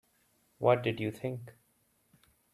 What did you think?